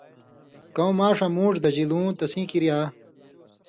کؤں ماݜاں مُوڙ دژیۡ لُوں تسیں کریا